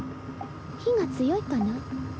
火が強いかな。